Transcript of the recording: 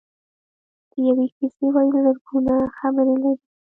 د یوې کیسې ویل زرګونه خبرې لري.